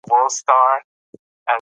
ښځه باید زده کړه وکړي.